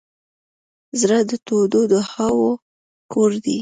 زړه د تودو دعاوو کور دی.